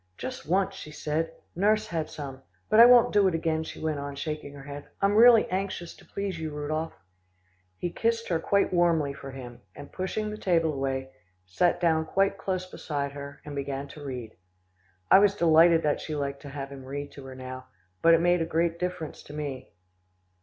"Just one," she said; "nurse had some. But I won't do it again," she went on shaking her head, "I'm really anxious to please you, Rudolph." He kissed her quite warmly for him, and pushing the table away, sat down quite close beside her, and began to read. I was delighted that she liked to have him read to her now, but it made a great difference to me.